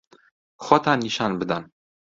خۆتان نیشان بدەن.